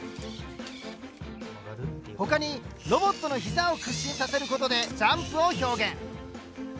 ほかにロボットの膝を屈伸させることでジャンプを表現。